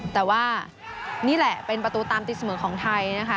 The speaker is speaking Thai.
แต่ว่านี่แหละเป็นประตูตามตีเสมอของไทยนะคะ